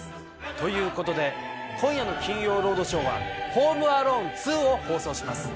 ということで今夜の『金曜ロードショー』は『ホーム・アローン２』を放送します。